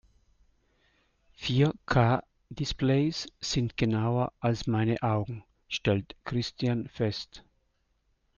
"Vier-K-Displays sind genauer als meine Augen", stellt Christian fest.